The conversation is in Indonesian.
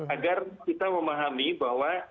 agar kita memahami bahwa